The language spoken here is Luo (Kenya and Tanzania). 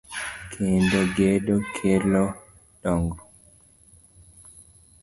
Kendo gedo kelo dongr